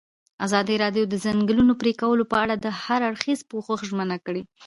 ازادي راډیو د د ځنګلونو پرېکول په اړه د هر اړخیز پوښښ ژمنه کړې.